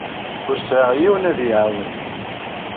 Ur sɛiɣ yiwen ad iyi-iɛawen.